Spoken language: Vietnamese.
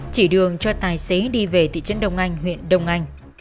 chỉ đường cho tài xế đi về thị trấn đông anh huyện đông anh